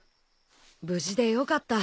無事でよかった。